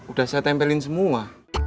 udah saya tempelin semua